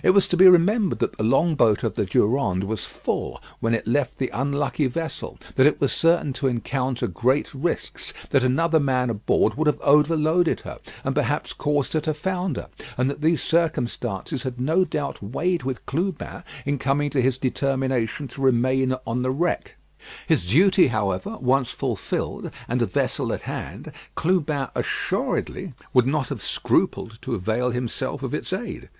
It was to be remembered that the long boat of the Durande was full when it left the unlucky vessel; that it was certain to encounter great risks; that another man aboard would have overloaded her, and perhaps caused her to founder; and that these circumstances had no doubt weighed with Clubin in coming to his determination to remain on the wreck. His duty, however, once fulfilled, and a vessel at hand, Clubin assuredly would not have scrupled to avail himself of its aid.